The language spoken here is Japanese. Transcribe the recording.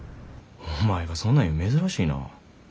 お前がそんなん言うん珍しいなぁ。